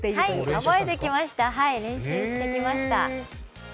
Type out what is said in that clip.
はい、覚えてきました、練習してきました。